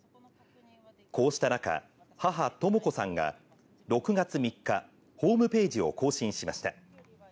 こうした中、母、とも子さんが６月３日、ホームページを更新しました。